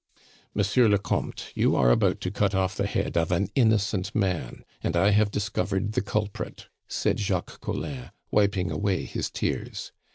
"Monsieur le Comte, you are about to cut off the head of an innocent man, and I have discovered the culprit," said Jacques Collin, wiping away his tears.